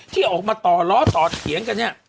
ที่ออกมาต่อล้อต่อเถียงกันเนี่ย